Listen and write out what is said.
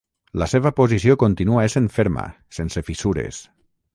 La seva posició continua essent ferma, sense fissures.